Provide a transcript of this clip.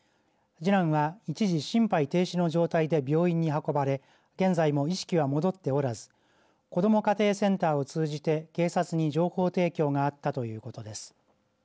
次男は一時心肺停止の状態で病院に運ばれ現在も意識は戻っておらず子ども家庭センターを通じて警察に情報提供があったということです。